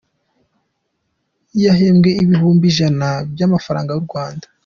Yahembwe ibihumbi ijana by’amafaranga y’u Rwanda.